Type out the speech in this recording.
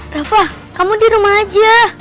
reva kamu di rumah aja